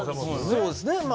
そうですねまあ。